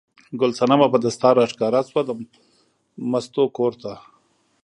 ګل صنمه په دستار راښکاره شوه د مستو کور ته.